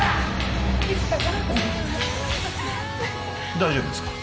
大丈夫ですか？